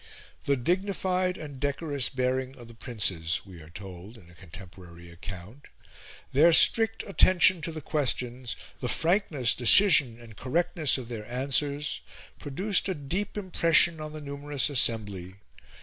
"The dignified and decorous bearing of the Princes," we are told in a contemporary account, "their strict attention to the questions, the frankness, decision, and correctness of their answers, produced a deep impression on the numerous assembly.